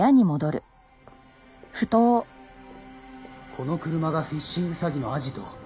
この車がフィッシング詐欺のアジト。